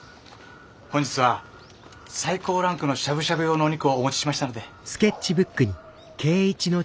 本日は最高ランクのしゃぶしゃぶ用のお肉をお持ちしましたので。